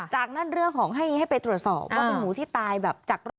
จากนั้นเรื่องของให้ไปตรวจสอบว่าเป็นหมูที่ตายแบบจากโรค